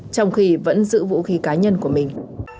trong khi vẫn giữ vũ khí cá nhân của mình